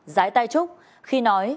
rái tay trúc khi nói